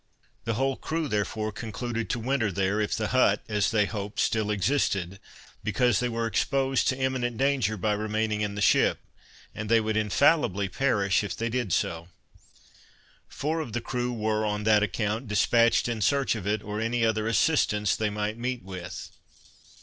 The whole crew, therefore, concluded to winter there, if the hut, as they hoped, still existed, because they were exposed to imminent danger by remaining in the ship, and they would infallibly perish if they did so. Four of the crew were on that account, dispatched in search of it, or any other assistance they might meet with.